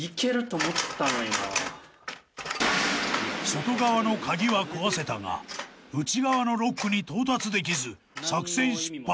［外側の鍵は壊せたが内側のロックに到達できず作戦失敗］